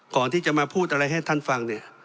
ก่อนที่จะมาพูดอะไรให้ท่านฟังเนี่ย